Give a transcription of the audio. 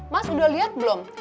mas udah liat belum